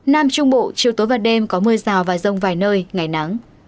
nam trung bộ chiều tối và đêm có mưa rào và rông vài nơi ngày nắng